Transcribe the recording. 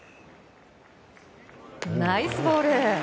ナイスボール。